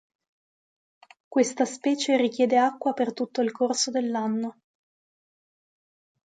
Questa specie richiede acqua per tutto il corso dell'anno.